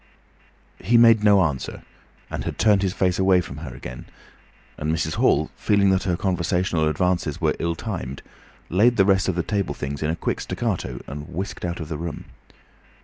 He made no answer, and had turned his face away from her again, and Mrs. Hall, feeling that her conversational advances were ill timed, laid the rest of the table things in a quick staccato and whisked out of the room.